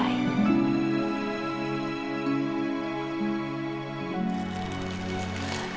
aku ingin bisa berhubung dengan mereka